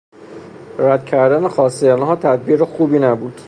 رد کردن خواستهی آنها تدبیر خوبی نبود.